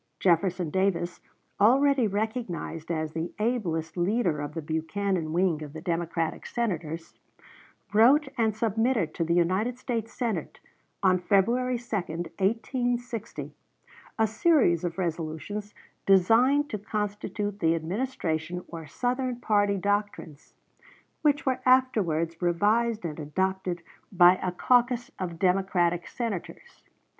Jefferson Davis, already recognized as the ablest leader of the Buchanan wing of the Democratic Senators, wrote and submitted to the United States Senate, on February 2, 1860, a series of resolutions designed to constitute the Administration or Southern party doctrines, which were afterwards revised and adopted by a caucus of Democratic Senators.